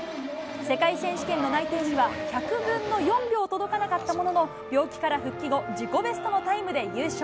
世界選手権の内定には１００分の４秒届かなかったものの、病気から復帰後、自己ベストのタイムで優勝。